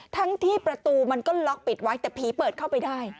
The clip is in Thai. ทั้งที่ประตูมันก็ล็อกปิดไว้แต่ผีเปิดเข้าไปได้